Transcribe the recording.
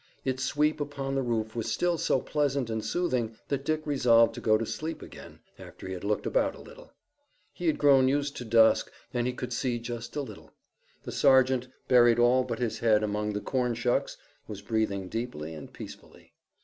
Its sweep upon the roof was still so pleasant and soothing that Dick resolved to go to sleep again, after he had looked about a little. He had grown used to dusk and he could see just a little. The sergeant, buried all but his head among the corn shucks, was breathing deeply and peacefully.